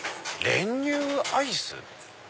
練乳アイス？